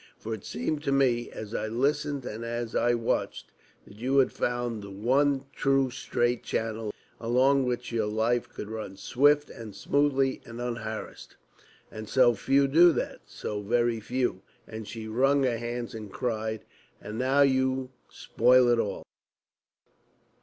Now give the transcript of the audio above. For it seemed to me, as I listened and as I watched, that you had found the one true straight channel along which your life could run swift and smoothly and unharassed. And so few do that so very few!" And she wrung her hands and cried, "And now you spoil it all."